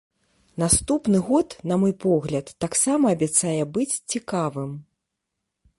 Наступны год, на мой погляд, таксама абяцае быць цікавым.